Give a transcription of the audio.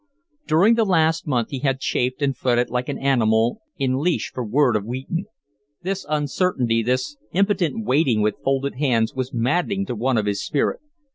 During the last month he had chafed and fretted like an animal in leash for word of Wheaton. This uncertainty, this impotent waiting with folded hands, was maddening to one of his spirit.